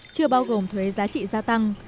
chưa bao gồm thuế giá trị gia tăng